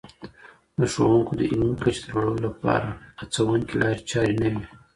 د ښوونکو د علمي کچې د لوړولو لپاره هڅوونکي لارې چارې نه وي.